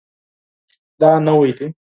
دا نوی دی